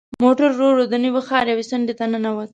موټر ورو ورو د نوي ښار یوې څنډې ته ننوت.